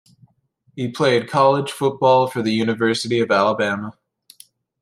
He played college football for the University of Alabama.